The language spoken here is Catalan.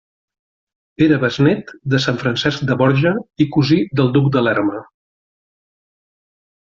Era besnét de sant Francesc de Borja i cosí del duc de Lerma.